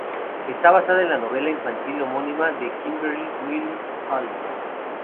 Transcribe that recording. Está basada en la novela infantil homónima de Kimberly Willis Holt.